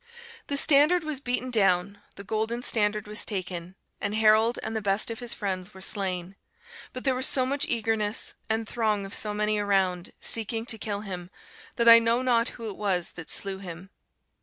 "The standard was beaten down, the golden standard was taken, and Harold and the best of his friends were slain; but there was so much eagerness, and throng of so many around, seeking to kill him, that I know not who it was that slew him.